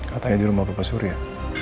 katanya di rumah bapak surya